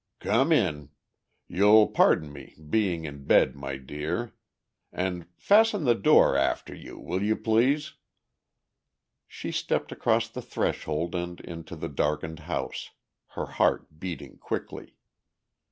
"Come in. You'll pardon me, being in bed, my dear. And fasten the door after you, will you, please?" She stepped across the threshold and into the darkened house, her heart beating quickly.